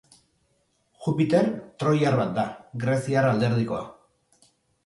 Jupiter troiar bat da, greziar alderdikoa.